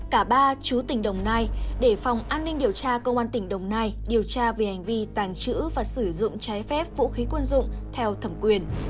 cả ba chú tỉnh đồng nai để phòng an ninh điều tra công an tỉnh đồng nai điều tra về hành vi tàng trữ và sử dụng trái phép vũ khí quân dụng theo thẩm quyền